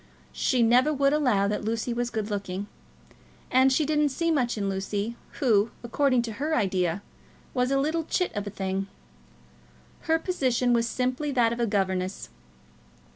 She never would allow that Lucy was good looking. And she didn't see much in Lucy, who, according to her idea, was a little chit of a thing. Her position was simply that of a governess.